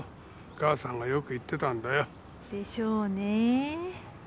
母さんがよく言ってたんだよ。でしょうね。